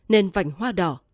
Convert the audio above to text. nên vảnh hoa đỏ